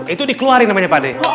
itu dikeluarin namanya pak de